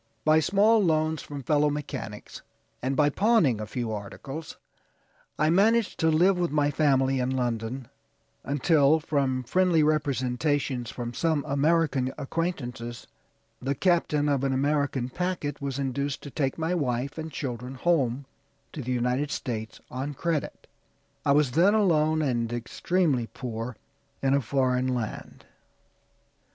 By small loans from fellow mechanics, and by pawning a few articles, I managed to live with my family in London, until, from friendly representations from some American acquaintances, the captain of an American packet was induced to take my wife and children home to the United States on credit. I was then alone, and extremely poor, in a foreign land."